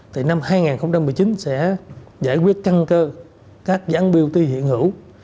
thì năm hai nghìn một mươi chín sẽ giải quyết căng cơ các dự án bot hiện hữu